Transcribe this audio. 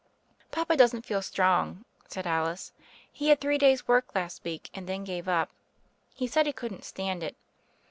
"Papa doesn't feel strong," said Alice. "He had three days' work last week, and then gave up. He said he couldn't stand it.